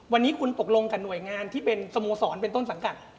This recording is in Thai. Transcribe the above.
วันนี้คุณตกลงกับหน่วยงานที่เป็นสโมสรเป็นต้นสังกัด